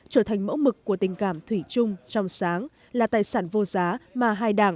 trở thành mẫu mực của tình cảm thủy chung trong sáng là tài sản vô giá